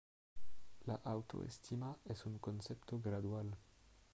La autoestima es un concepto "gradual".